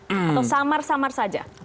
atau samar samar saja